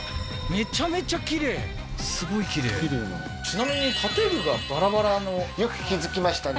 めちゃめちゃきれいすごいきれいきれいなちなみに建具がバラバラのよく気づきましたね